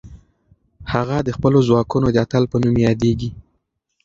هغه د خپلو ځواکونو د اتل په نوم یادېږي.